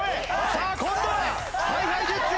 さあ今度はＨｉＨｉＪｅｔｓ